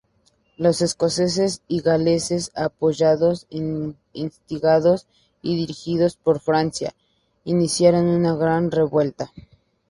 Los escoceses y galeses, apoyados, instigados y dirigidos por Francia, iniciaron una gran revuelta.